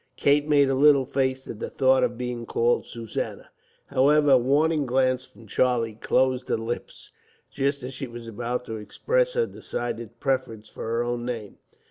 Kate made a little face at the thought of being called Susanna. However, a warning glance from Charlie closed her lips, just as she was about to express her decided preference for her own name.